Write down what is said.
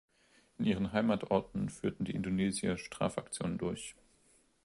In ihren Heimatorten führten die Indonesier Strafaktionen durch.